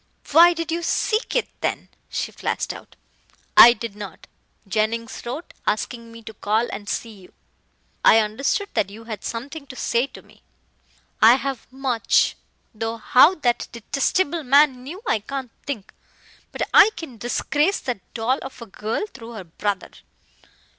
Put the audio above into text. "Why did you seek it then?" she flashed out. "I did not. Jennings wrote, asking me to call and see you. I understood that you had something to say to me." "I have much though how that detestable man knew I can't think. But I can disgrace that doll of a girl through her brother."